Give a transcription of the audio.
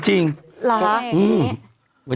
เหรอฮะ